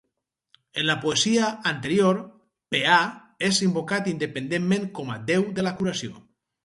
En la poesia anterior, Peà és invocat independentment com a déu de la curació.